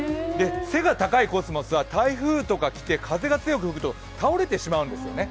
背が高いコスモスは台風とか来て風が強く吹くと倒れてしまうんですよね。